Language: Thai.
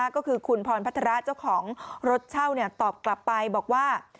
ก็คือคุณพรพัฒระเจ้าของรถเช่าตอบกลับไปบอกว่า